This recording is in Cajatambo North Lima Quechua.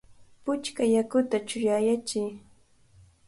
¡Puchka yakuta chuyayachiy!